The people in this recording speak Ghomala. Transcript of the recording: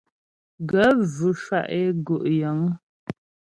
Gaə̂ vʉ shwá' é gú' yəŋ.